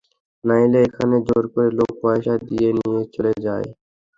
নাহলে এখানে জোর করে লোক পয়সা দিয়ে নিয়ে চলে যায়।